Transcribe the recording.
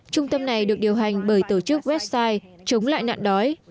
trung tâm này được điều hành bởi tổ chức website chống lại nạn đói